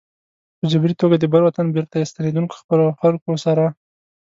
په جبري توګه د بر وطن بېرته ستنېدونکو خپلو خلکو سره.